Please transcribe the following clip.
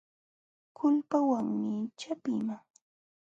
Kulpawanmi chapiiman.